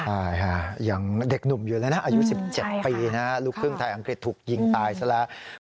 ใช่ค่ะยังเด็กหนุ่มอยู่เลยนะอายุ๑๗ปีนะลูกครึ่งไทยอังกฤษถูกยิงตายซะแล้ว